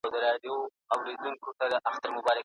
استاد اسدالله غضنفر علمي ليکنو کې مهارت لري.